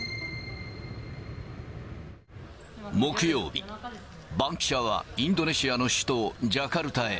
木曜日、バンキシャはインドネシアの首都ジャカルタへ。